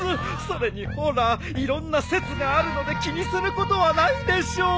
それにほらいろんな説があるので気にすることはないでしょう。